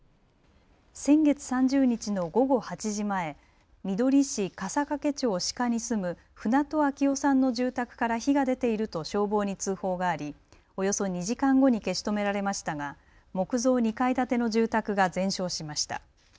先月３０日の午後８時前、みどり市笠懸町鹿に住む船戸秋雄さんの住宅から火が出ていると消防に通報がありおよそ２時間後に消し止められましたが木造２階建ての住宅が全焼しました。